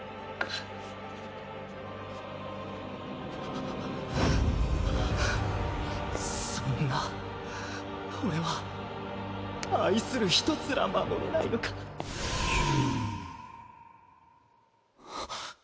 くっそんな俺は愛する人すら守れないのかはっ。